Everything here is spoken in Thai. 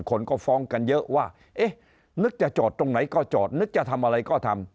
คนก็ฟ้องกันเยอะว่าเอ๊ะนึกจะจอดตรงไหนก็จอดนึกจะทำอะไรก็ทำ